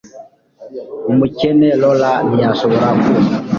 Umukene Laura ntiyashoboraga kumva